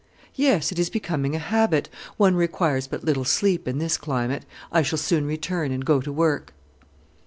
"Yes, it is becoming a habit. One requires but little sleep in this climate; I shall soon return, and go to work."